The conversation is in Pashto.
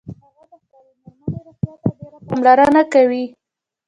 هغه د خپلې میرمنیروغتیا ته ډیره پاملرنه کوي